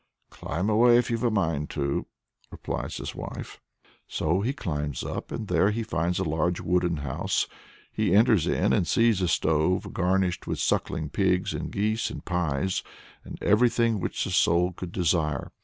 "Climb away, if you've a mind to," replies his wife. So he climbs up, and there he finds a large wooden house. He enters in and sees a stove, garnished with sucking pigs and geese and pies "and everything which the soul could desire."